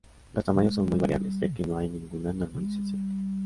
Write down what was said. Los tamaños son muy variables, ya que no hay ninguna normalización.